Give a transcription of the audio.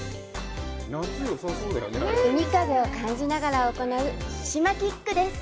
海風を感じながら行う「島キック」です。